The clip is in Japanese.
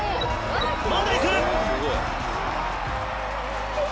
まだ行く！